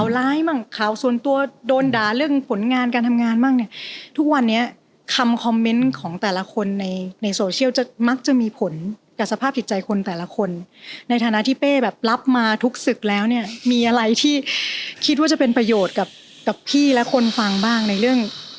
ได้อวดรวยไปในประโยคแรก